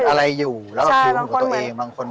ชื่องนี้ชื่องนี้ชื่องนี้ชื่องนี้ชื่องนี้